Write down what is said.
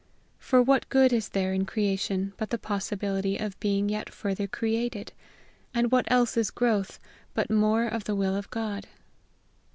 For what good is there in creation but the possibility of being yet further created? And what else is growth but more of the will of God?